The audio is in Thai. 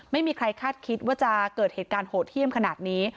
ไม่มีใครคาดคิดว่าจะเกิดเหตุการณ์โหดเยี่ยมขนาดนี้